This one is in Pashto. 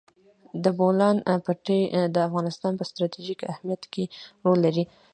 د بولان پټي د افغانستان په ستراتیژیک اهمیت کې رول لري.